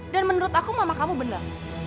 dan menurut aku mama kamu benar